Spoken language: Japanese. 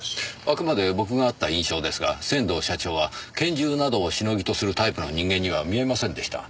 あくまで僕が会った印象ですが仙道社長は拳銃などをシノギとするタイプの人間には見えませんでした。